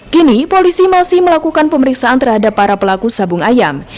kini polisi masih melakukan pemeriksaan terhadap para pelaku sabung ayam